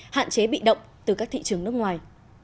hạn chế bị động từ các thị trường nước ngoài